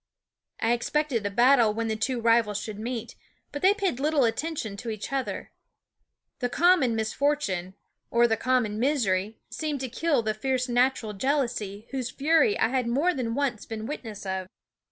I expected a battle when the two rivals should meet; but they paid little attention to each other. The common misfortune, or THE WOODS <5T 299 the common misery, seemed to kill the fierce natural jealousy whose fury I had more than once been witness of.